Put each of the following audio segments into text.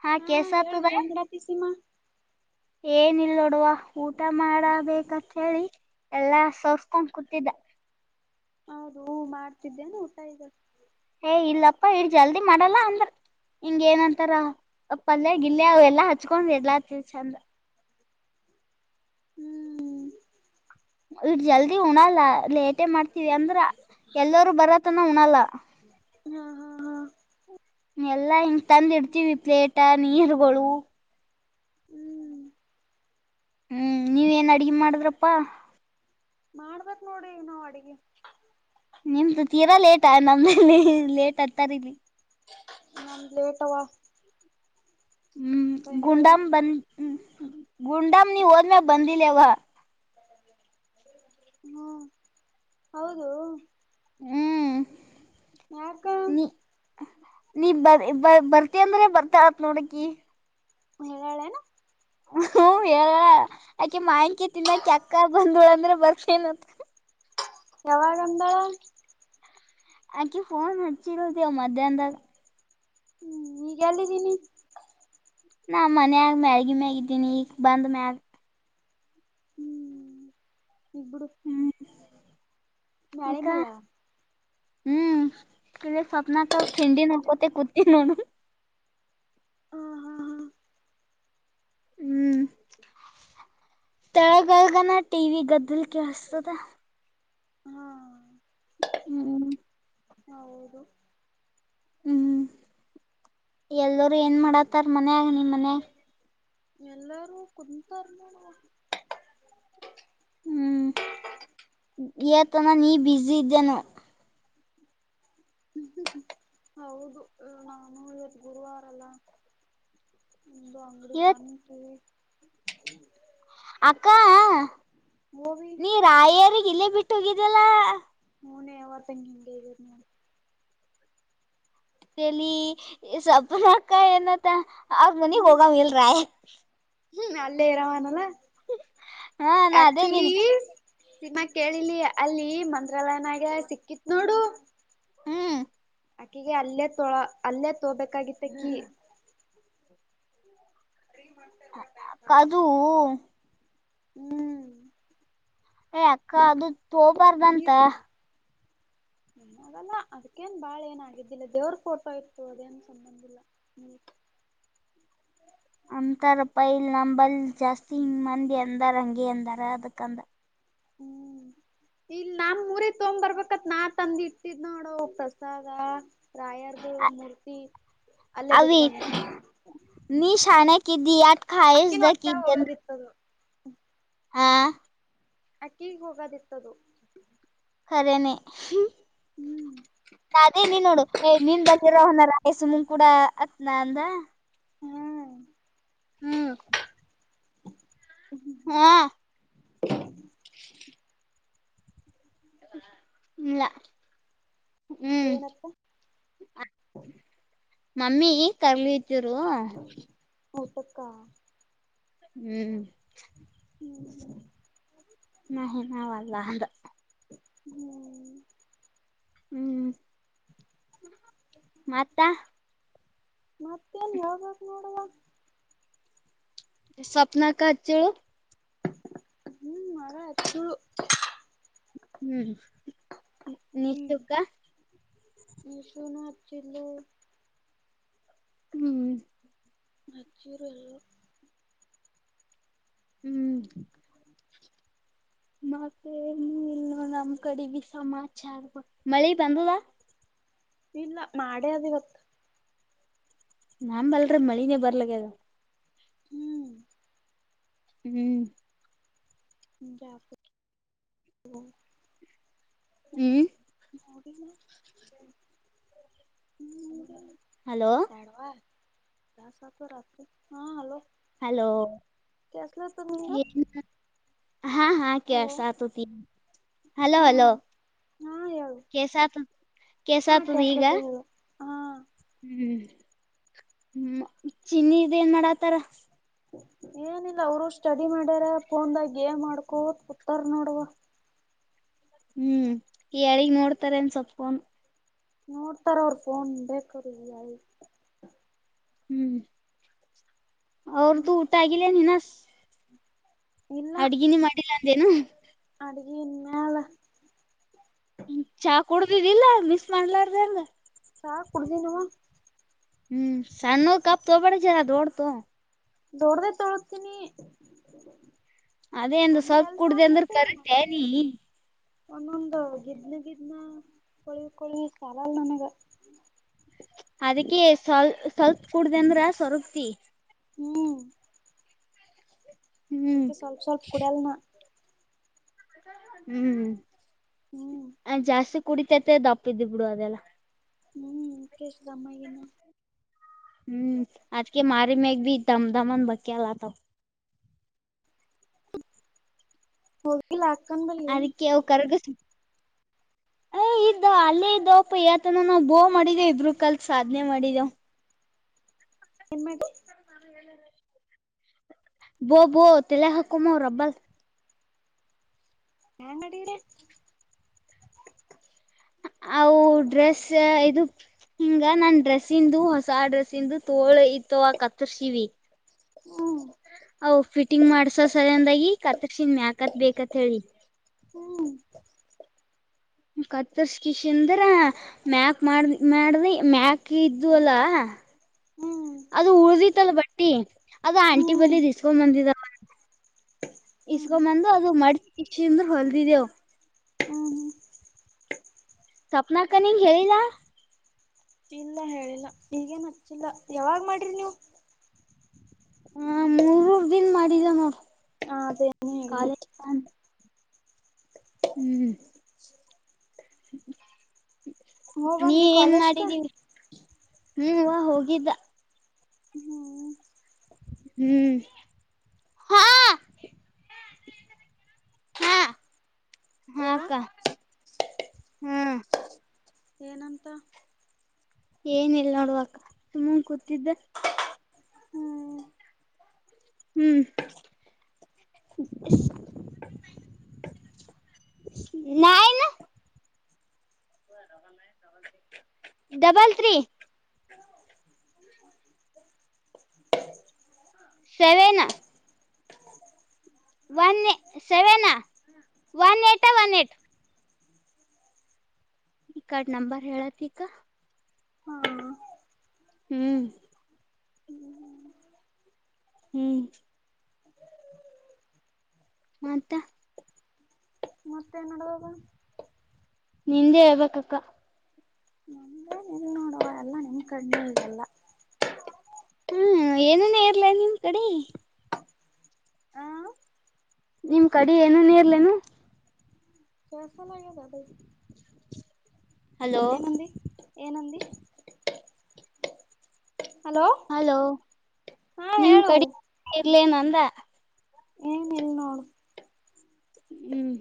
ಹಾ ಕಸ ತು ಹೇಳು ಭ ಏನ್ ಮಾಡಡತಿ ಸೀಮಾ ಏನ ಇಲ್ ನೋಡುವ ಊಟ ಮಾಡಬೇಕಂತ ಹೇಳಿ ಎಲ್ಲಾ ಸೋಸ್ಕೊಂಡ್ ಕುೂತಿದ್ದ [inaudible] ಹೌದು ಮಾಡ್ತಿದ್ದೇನೆ ಊಟ ಈಗ ಏ ಇಲ್ಲಪ್ಪಾ ಇ ಜಲ್ದಿ ಮಾಡಲ್ಲ ಅಂದ್ರ ಹಿಂಗ ಏನಂತಾರ ಪಲ್ಯ ಗಿಿಲ್ಲ ಅವ ಎಲ್ಲಾ ಹಚ್ಕೊಂಡ್ ಎಡ್ಲಾತಿವಿ ಚಂದ ಹ್ಮ್. ಇ ಜಲ್ದಿ ಉಣಲ್ಲ ಲೇಟೇ ಮಾಡ್ತೀವಿ ಅಂದ್ರ [inaudible] ಎಲ್ಲರೂ ಬರತನ ಉಣಲ್ಲ ಹಾ ಹಾ ಹಾ ಎಲ್ಲಾ ಹಿಂಗ ತಂದ್ ಇಡ್ತೀವಿ ಪ್ಲೇಟ ನೀರುಗಳು ಹ್ಮ್ ಹ್ಮ್ ನೀವೇಏನ್ ಅಡ್ಗೆ ಮಾಡಿದ್ರಪ್ಪಾ ಮಾಡ್ಬೇಕೇ ನೋಡಿ ನಾವ್ ಅಡಿಗೆ ನಿಮ್ದು ತೀರಾ ಲೇಟ್ ನಮಲ್ಲಿ ಲೇಟ್ ಹತಾರ ಇಲ್ಲಿ ನ ಲೇಟ್ವಾ ಹ್ಮ್ ಗುಂಡಾಮ ಬ ಗುಂಡಾಮ ನೀ ದ ಮ ಬಧಿ ಲೇವ ಹ್ಮ ಹೌದು ಹ್ಮ್ ಯಕ್ಕಾ ನೀ ನೀ ಬ ಬ ಬರ್ತಿ ಅಂದ್ರೆ ಬರ್ತಾ ಆತ್ ನೋಡಕಿ ಹಳ ಹ್ಮ ಹೇಳಲ್ಲ ಯಾಕೆ ಮಾಂಕಿ ತಿನ್ನಾಕ ಅಕ್ಕ ಬಂದಳ ಅಂದ್ರೆ ಬರ್ತೇನಂತ ಯಾವಾಗಾಗಂದ ಆಕಿ ಫೋನ್ ಹಚ್ಚಿರ ಮಧ್ಯಾಹ್ ತ ಹ್ಮ್ ಈಗ ಎಲ್ಲಿದ್ದೀನಿ ನಾ ಮನ್ಯಾಗ ಮ್ಯಗ ಮ್ಯಾಗ ಇದ್ದೀನಿ ಈಗ ಬಂದ ಮ್ಯಾಗ ಇಬಡು ಹ್ಮ್ ನಾಳೆ ಈಕ ಮಲ್ಲ ಹ್ಮ್ ಕ ಸ್ವಪ್ನಾಕ ಖಂಡಿನಕೋತೆ ಕೂತ ನೋಡು ಹಾ ಹಾ [unintelligible] ಕೆಳಗಳಗಣ ಟ ವಿ ಗದ್ದಲ್ ಕೆೇಳಸ್ತದ ಹಾ ಹ್ಮ್ ಹ ಹೌದು ಹ್ಮ್ ಎಲ್ಲರುೂ ಏನ್ ಮಾಡತ್ತಾರ ಮನ್ಯಾಗ ನಿಮ ಮನ್ಯಾಗ ಎಲ್ಲಾರು ಕುಂತಂತಾರಮಣ ಹ್ಮ್ ತನ ನೀ ಬಸಿ ಇದ್ದೇನು ಹೌದು ನಾನು ಇವತ್ ಗುರುವಾರಲ್ಲ ಒಂದು ಅಂಗಡಿ ಇವತ್ ತಾನ ಸ ಅಕ್ಕ ಮೂವಿ ನೀ ರಾಯರಿಗ ಇಲ್ಲೇ ಬಿಟ್ಟು ಹೋಗಿದಲ್ಲ. ಮೂನೇ ಅವದಂಗಿಂಗ ಇದರ್ ನ ಚಲಿ ಸ್ಪ್ನಕ್ಕ ಏನತ್ತ ಅವ ಮನಿಗ್ ಹ್ಮ್ ಹೋಗ ಮಲ್ರಾಯ ಹ್ಮ್ ಅಲ್ಲೇ ಇರಾಮಾನಲ್ಲ ಹಾ ನಾ ಅದೇ ಆಕ್ಚುಲಿ ನೀನ್ ತಿಮ್ಮ ಕೇಳಿಲಿ ಅಲ್ಲಿ ಮಂತ್ರಾಲಯನಾಗ ಸಿಕ್ಕಿತ್ ನೋಡು ಹ್ಮ್ ಅಕಿಗೆ ಅಲ್ಲೇ ತೊಳ ಅಲ್ಲೇ ತೋಬೇಕಾಗಿತ್ತ ಕೀ ಕದು ಹ್ಮ್ ಏ ಅಕ್ಕ ಅದು ತಬಾರ್ದಂತ ನೀರ್ ಕೊಡು [unintelligible] ಏನಾಗಲ್ಲ ಅದ್ಕೇನ್ ಬಾಳ ಏನ ಆಾಗಿದ್ದಿಲ್ಲ ದೇವ್ರ ಫೋಟೋ ಇತ್ತು ಅದೇನ್ ಸಂಬಂದಿಲ್ಲ ನೀ. [unintelligible] ಅಂತರ್ ಪೈಲ್ ನಂಬಲ್ ಜಾಸ್ತಿ ಮಂದಿ ಎಂದ ರಂಗೆ ಎಂದರ ಅದಕಂದ. ಹ್ಮ್. ಇಲ್ ನಮ್ ಊರ ತಗ್ ಬರ್ಬೇಕತ್ ನಾ ತಂದ ಇಟ್ಟಿದ್ ನೋಡೋಗ ಪ್ರಸಾದ. ರಾಯಾರ್ದ ಮೂರ್ತಿ ಅಲ್ಲೇ ಬಿಟ್ಟತಾನೆ. ಾನೆ ದ ಆತ್ಾಯಷ್ಟ್ದ. ಹೋಗೋದಿತ್ತದು ಅಕ್ಕಿಿಗೆ ಹೋಗದಿತ್ತದು. ಅದೇನೇ. ಅದೇ ನೀನ್ ನೋಡು ಏ ನೀನ್ ಬದಿರ ಅವನಲ್ಲಾಯ ಸುಮಂಗ ಕೂಡ ಅತ್ನಾ ಅಂದ. ಹ್ಮ್. ಹ್ಮ್. ಹಾ. ಇಲ್ಲ ಹ್ಮ್ ಏನಪ್ಪ. ಮಮ್ಮಿ ಕರ್ಲಿತಿರು. ಮೂಊಟಕ್ಕ. ಹ್ಮ್. ಹ್ಮ್. ನ ನ ಅಲ್ಲ ಅದ. ಹ್ಮ್. ಹ್ಮ್ ಮತ್ತ. ಮತ್ತೆಲ್ಲಿ ಹೋಗಾಗ ನೋಡುವಾಗ. ಸ್ವಪ್ನಾ ಕಚಳ. ಹ್ಮ್ ಮಾರಚ್ಚು. ಹ್ಮ್ ಹ್ಮ್ ನಿುಕ್ಕ [unintelligible] ಚಿನ್ನು. ಹ್ಮ್. ಮಕ್ಕೂರು ಎಲ್ಲ. ಹ್ಮ್. ಮತ್ತೆ ನೀ ಇಲ್ ನಮ್ ಕಡೆ ಭ ಸಮಾಚ ಆ ಮಳೆ ಬಂದದಾ. ಇಲ್ಲ ಮಾಡೇ ಅದವತ್ತು. ನಾ ಬಲ್ರರಿ ಮಳಿನೇ ಬರ್ಲಕ್ಕ ಅದು. ಹ್ಮ್ ಹ್ಮ್. ನಿಗೆ. ಹ್ಮ್. [unintelligible] ಹಲೋ ದಾಸತ ರಾತ್ರಿ ಹಾ ಹಲೋ. ಹಲೋ ಕೆಸಲ ತ ನೀಗ. ಏನ್ ಹಾ ಹಾ ಕ ಸಾತ ಹತ ಹಲೋ ಹಾ ಹಲೋ. ಹಾ ಹೇಳು ಕಸ ಆತದ ಕಸ ಹಾ ಆತದ ಈಗ ಕೇಸ್ಲತದ ಹೇಳು ಹಾ ಹ್ಮ್. ಹ ಚಿ ನ್ನ ಇದ ಏನ್ ಮಾಡಾತಾರ. ಹ [unintelligible] ಏನಿಲ್ಲ ಅವರು ಸ್ಟಡಿ ಮಾಡ್ಯಾರ ಫೋನ್ದಾಗ ಏ ಮಾಡ್ಕೋ ಉತ್ತರ್ ನೋಡುವ. ಹ್ಮ್ ಯಾರಿಗ್ ನೋಡ್ತಾರ ಅನ್ ಸೊಪ್ಕನು. ನೋಡ್ತಾರ ಅವ್ರ ಫೋನ್ ಬೇಕ್ರ. ಹ್ಮ್ ಅವ್ರ್ದು ಹ್ಮ್ ಊಟ ಆಗಿಲ್ಲ ನಿಿನ. ಇಲ್ಲ ಅಡ್ಗಿನಿ ಮಾಡಿಲ್ಲ ಅಂದೇನು. ಅಡಿಗೆ ಇನ್ನ ಅಲ್ಲ ಚಾ ಕುಡ್ದಿದಿಲ್ಲ ಮಿಸ್ ಮಾಡ್ಲಾರ್ದಂಗ ಚಾ ಕುಡ್ದ ನೀವ ಹ್ಮ್ ಸಣ್ಣು ಕಾಪತ ಬಡಜರ ದೌಡತ ದೊಡ್ದ ತೊಳತೀನಿ ಅದೇಂದ ಕಣ್ಣು ಸ್ವಲ್ಪ ಎಲ್ ಕುೂಡ್ದ ಅಂದ್ರ ಸಾಲಬೇಕು ಕರೆಕ್ಟ್ ನೀ ಒಂದೊಂದು ಗಿದ್ನ ಗಿದ್ನ ಕೊಳವಿ ಕೊಳವಿ ಸಾಲ ಅಲ್ ನನಗ ಅದಕ್ಕೆ ಸ್ವಲ್ ಸ್ವಲ್ಪ ಕುಡ್ದ ಅಂದ್ರ ಸವರಪ್ತಿ ಹ್ಮ್ ಹ್ಮ್ ನದಕ್ಕೆ ಸ್ವಲ್ಪ ಸ್ವಲ್ಪ ಕುಡಲ್ಲ ನ ಹ್ಮ್ ಹ್ಮ್ ಜಾಸ್ತಿ ಕುಡಿತತೆ ದಪ್ಪಿದು ಬಿಡು ಅದೆಲ್ಲ ಹ್ಮ್ ಕಸಿದಮ್ಮಗನ್ನು ಹ್ಮ್ ಅದಕೆ ಮಾರಿ ಮ್ಯಾಲೆ ಭೀ ದಮಧಮನ್ ಬಕ್ಕಿ ಆಲತವ. ಹೋಗಿಲ್ಲ. ಅಕ್ಕನ್ ಬಲ್ಲಿ ಅದಕ್ಕೆ ಅವು ಕರಗೂಸ್. [inaudible] ಏ ಇದ್ದ ಅಲ್ಲೇ ಇದ್ದವಪ್ಪ ನಾವವು ಬೋ ಮಾಡಿದೇವು ಇಬ್ರ ಕಲ್ಕ್ ಸಾಧನೆ ಮಾಡಿದೇವು [inaudible] ಬೋ ಬೋ ತಲೆ ಹಾಕಮ ರಬ್ಬಲ್. ನ್ಂಗಡಿರೆ. ಅವು ಡ್ರೆಸ್ ಇದು ಹಿಂಗ ನನ್ ಡ್ರೆಸ್ಸ ಇಂದು ಹೊಸ ಡ್ರೆಸ್ಸ ಇಂದು ತೋಳ. ಕತ್ತರ್ಸಿವ. ಹ್ಮ್ ಮಾಡ್ಸೋ ಸಲಂದಾಗಿ ಕತ್ತರ್ಸಿನ್ ಮ್ಯಾಕತ್ ಬೇಕತ್ ಹೇಳಿ ಹ್ಮ್. ಕತ್ತರ್ಸಕಿಸ ಅಂದ್ರ ಮ್ಯಾಕ್ ಮಾಡ ಮಾಡ್ದಿ ಮ್ಯಾಕ್ ಇದು ಅಲ್ಲ. ಹ್ಮ್ ಅದು ಉಳ್ದಿತ್ತಲ್ ಬಟ್ಟಿ ಅದು ಆಂಟಿ ಹ್ಮ್ ಬಳಿ ದಿಸಕೊಂಡ್ ಬಂದಿದಾವ. ಹ್ಮ್ ಇಸ್ಕೊಂಬಂದು ಅದು ಮಡ ಇಕ್ಷಿಂದ ಹೊಲ್ದಿದೆೇವು. ಹ್ಮ. ಸ್ವಪ್ನಾಕ ನಿಂಗ ಹೇಳಿದ. ಇಲ್ಲ ಹೇಳಿಲ್ಲ ಈಗೇನ್ ಹಚ್ಚಿಲ್ಲ ಯಾವಾಗ್ ಮಾಡ್ರಿ ನೀವು. [inaudible] ಏನ್ ಮಾಡಿದ ನೋಡು. ಹ ಅದೇನೇ ಇಲ್ಲ. ಹ್ಮ್. ನೀ ಹೋಗಂದಿ ಏನ್ ಕಾಲೇಜ್ಕ ಮಾಡಿದೀ ಹ್ಮವಾ ಹೋಗಿದ್ದ. ಹ್ಮ್. ಹ್ಮ್ ಹಾ [inaudible] ಹ್ಮ್ ಅಕ್ಕ ಹ್ಮ್. ಏನಂತ. ಏನಿಲ್ಲ ನೋಡು ಅಕ್ಕಾ ಸುಮನ್ ಕೂತಿದ್ದ. ಹ್ಮ್ ಹ್ಮ್. ಇಲ್ಲ [unintelligible] double three. Seven. One seven one eight one eight. ಈ ಕಾರ್ಡ್ ನಂಬರ್ ಹೇಳತಿಕ. ಹಾ ಹ್ಮ್‌ ಹ್ಮ್. ಮತ್ತ. ಮತ್ತೆ ನೋಡುವಾಗ. ನಿಂದೆ ಹೇಳ್ಬೇಕಕ್ಕ. ನಮ್ದೇನಿಲ್ಲ ನೋಡುವ ಎಲ್ಲ ನಿಮ್ ಕಣ್ಣಲ್ಲ ಎಲ್ಲ. ಹ್ಮ್ ಏನನ ಇರ್ಲ ನಿಮ್ ಕಡೆ. ಹಾ ನಿಮ್ ಕಡಿ ಏನೇನು ಇರಲ್ಲಿಲ್ಲೇನು. ಕೆಲಸಲ್ ಆಗ್ಯದ. [inaudible] ಏನಂದೀ ಏನಂದೀ. ಹಲೋ ಹಾ ನಿಮ ಹೇಳು ಕಡೆ ಇರ್ಲೇನ ಅಂದ. ಏನು ಇಲ್ಲ ನೋಡು. ಹ್ಮ್.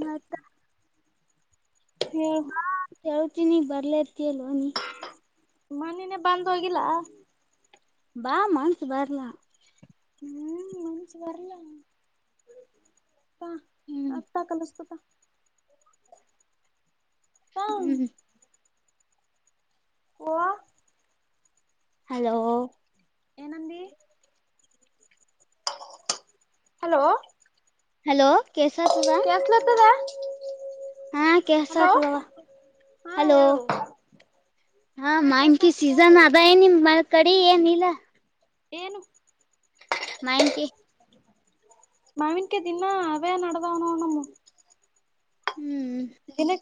ಮತ್ತ. ಹೇಳು ಹಾ ಕೇಳ್ತೀನಿ ಬರಿಲಾತಿಯಲಾ ಅವ ನೀ. ಮನಿನೇ ಬಂದು ಹೋಗಿಲ್ಲ ಬಾಮನ್ಸು ಬರ್ಲಾ ಹ್ಮ್ ಮಂಚ ಬರಯ ಹ್ಮ್ ಅತ್ತ ಕಲ್ಲಸತ ಹ ಹ್ಮ್ ಹ ಹಲೋ ಏನಂದ ಹಲೋ ಹಲೋ ಕೇಸತದ ಕಸಲತದಾ. ಹಾ ಕೆಸವಾ ಹಾ ಹಲೋ ಹೇಳು ಹಾ ಕೆಲ್ಸ ಮಾನ್ಕ ಆಗ್ತದ ಸೀಸನ್ ಹೇಳು ಅದ ಏನಮ್ ಮ ಕಡಿ ಏನ್ ಇಲ್ಲ ಏನು ಮ್ಯಾಂಕಿ ಮಾವಿನಿಕ ದಿನ ಅವೇ ನದಾವಣ ನಮ್ಮ ಹ್ಮ್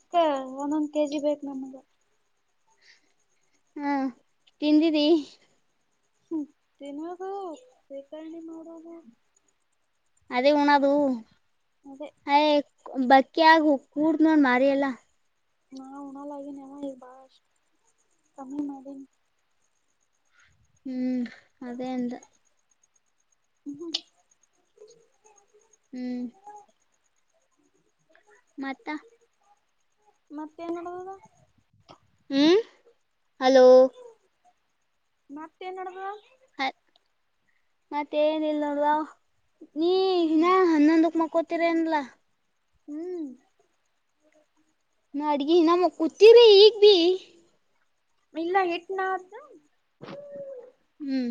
ಮತ್ತೆ ಒಂದೊಂದ್ ಕೆಜಿ ಬೇಕು ನಮಗೆ ಹಾ ತಿಂದಿದಿ ತ್ತ ನ ಗೋ ಸಕಣ ಮಾಡಡಾಗ ಅದೇ ಹಣದು ಅದ ಬಕ್ಕಿ ಆಗ ಕೂಡ ನೋಡ್ ಮಾರಿಯಲ್ಲಾ ನಾ ಉನ ಲಾಗಿಿ ಎವ ಬಾರ ಸಮಿ ನನ್ ಹ್ಮ್ ಅದೇಂತ ಹ್ಮ ಹ್ಮ್ ಮತ್ತ ಮತ್ತೆೇನುಡದದ ಹ ಹಲೋ ಮತ್ತೇನಡವಾ ಅ ಮತ್ತೆ ಏನಿಲ್ಲವಾ ನೀ ಹ್ಮ್ ಇನ್ನ ಹನ್ನೊಂದಕ್ ಮಕ್ಕೋತಿೀರ ನ್ಲ್ಲಾ ಹ್ಮ್ ನಾ ಅಡ್ಗಿ ನಮ್ಮ್ ಕೂತೀ್ರಿ ಈಗ್ ಭ ಮಲ್ಲ ಎಟ್ನಾತ ಹ್ಮ್